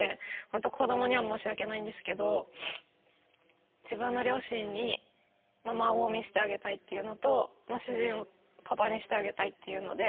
ほんと子どもには申し訳ないんですけど自分の両親に孫を見せてあげたいっていうのと主人をパパにしてあげたいっていうので。